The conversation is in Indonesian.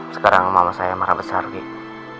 sekarang mama saya marah besar gitu